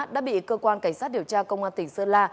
đã bị cơ quan cảnh sát điều tra công an tỉnh sơn la